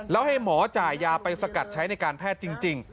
แล้วให้หมอจ่ายยาไปสกัดใช้ในการแพทย์จริง